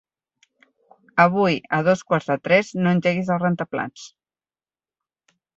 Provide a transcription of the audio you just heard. Avui a dos quarts de tres no engeguis el rentaplats.